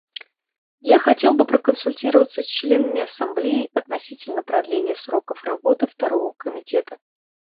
Я хотел бы проконсультироваться с членами Ассамблеи относительно продления сроков работы Второго комитета.